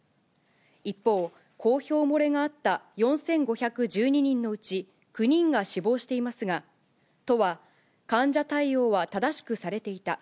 一方、公表漏れがあった４５１２人のうち９人が死亡していますが、都は患者対応は正しくされていた。